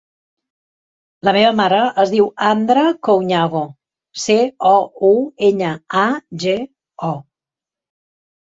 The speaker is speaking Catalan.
La meva mare es diu Andra Couñago: ce, o, u, enya, a, ge, o.